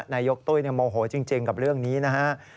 นายกตุ้ยโมโหจริงกับเรื่องนี้นะฮะ